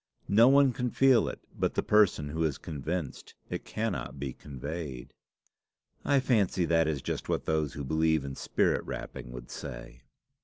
No one can feel it but the person who is convinced. It cannot be conveyed." "I fancy that is just what those who believe in spirit rapping would say."